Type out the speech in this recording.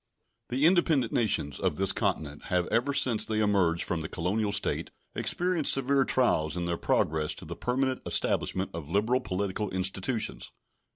The independent nations of this continent have ever since they emerged from the colonial state experienced severe trials in their progress to the permanent establishment of liberal political institutions.